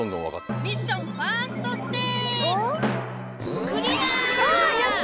ミッションファーストステージあやった！